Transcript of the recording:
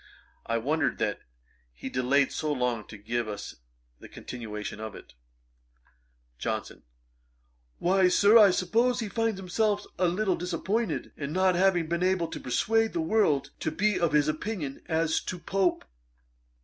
I wondered that he delayed so long to give us the continuation of it. JOHNSON. 'Why, Sir, I suppose he finds himself a little disappointed, in not having been able to persuade the world to be of his opinion as to Pope.'